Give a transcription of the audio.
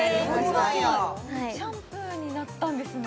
そうなんやシャンプーになったんですね